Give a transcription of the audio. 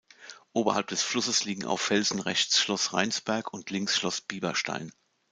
Oberhalb des Flusses liegen auf Felsen rechts Schloss Reinsberg und links Schloss Bieberstein.